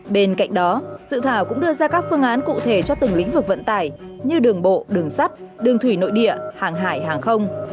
bên cạnh đó dự thảo cũng đưa ra các phương án cụ thể cho từng lĩnh vực vận tải như đường bộ đường sắt đường thủy nội địa hàng hải hàng không